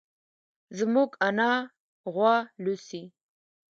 زموږ انا غوا لوسي.